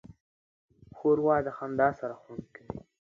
ښوروا د خندا سره خوند کوي.